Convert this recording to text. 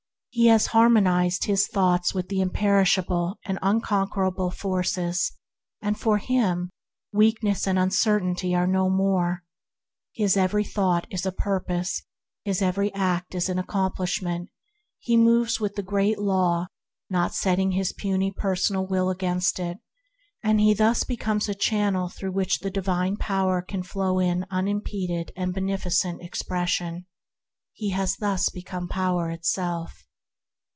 He has harmonized his thoughts with the Imper ishable and Unconquerable Forces, and for him weakness and uncertainty are no more. His every thought is a purpose; his every act an accomplishment; he moves with the Great Law, not setting his puny personal will against it, and thus becomes a channel through which the Divine Power can flow in unimpeded and beneficent expression. He has thus become Power itself.